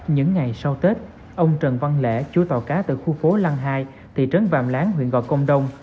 những ngày sau tết ông trần văn lễ chúa tàu cá từ khu phố lăng hai thị trấn vàm lán huyện gò công đông